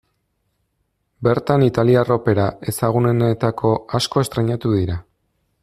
Bertan italiar opera ezagunenetako asko estreinatu dira.